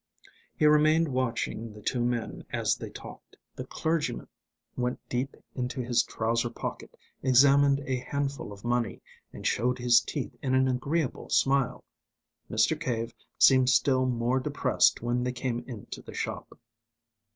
He remained watching the two men as they talked. The clergyman went deep into his trouser pocket, examined a handful of money, and showed his teeth in an agreeable smile. Mr. Cave seemed still more depressed when they came into the shop.